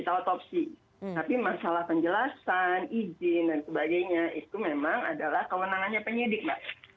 tapi masalah penjelasan izin dan sebagainya itu memang adalah kewenangannya penyidik mbak